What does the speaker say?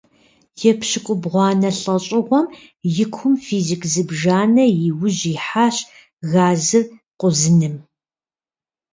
ЕпщыкIубгъуанэ лIэщIыгъуэм и кум физик зыбжанэ и ужь ихьащ газыр къузыным.